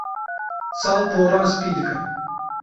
Sal poran spî dike.